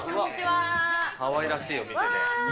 かわいらしいお店で。